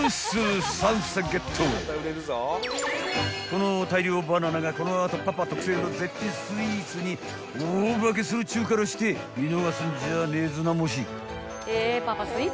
［この大量バナナがこの後パパ特製の絶品スイーツに大化けするっちゅうからして見逃すんじゃねえぞなもし］